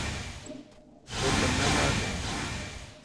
سو تہ نہ نالوں۔